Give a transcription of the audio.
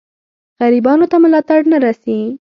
غریبانو ته ملاتړ نه رسي.